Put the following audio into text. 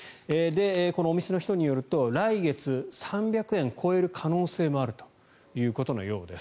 このお店の人によると来月、３００円を超える可能性もあるということです。